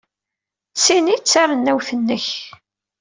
D tin ay d tarennawt-nnek.